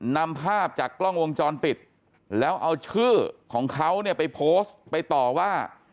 นำภาพจากกล้องวงจรปิดแล้วเอาชื่อของเขาเนี่ยไปโพสต์ไปต่อว่า